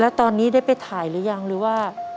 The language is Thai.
แล้วตอนนี้ได้ไปถ่ายหรือยังหรือว่า